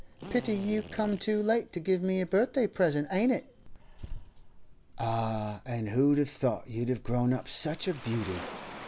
Pity you come too late to give me a birthday present, ain't it?' 'Ah! And who'd have thought you'd have grown up such a beauty!